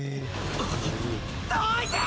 どいてー！